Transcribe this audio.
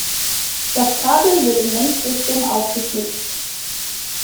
Das Kabel wird in Längsrichtung aufgeschlitzt.